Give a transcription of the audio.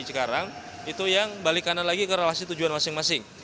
cikarang itu yang balik kanan lagi ke relasi tujuan masing masing